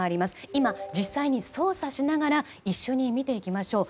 今、実際に操作しながら一緒に見ていきましょう。